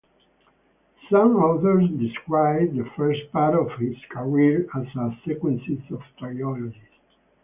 Some authors describe the first part of his career as a sequence of trilogies.